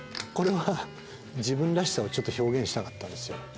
これは自分らしさを表現したかったんですよ。